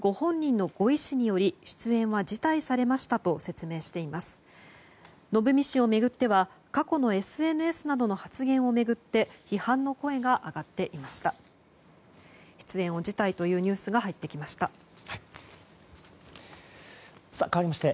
のぶみ氏を巡っては過去のＳＮＳなどの発言を巡って批判の声が上がっていました。